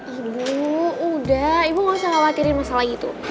ibu udah ibu gak usah khawatirin masalah itu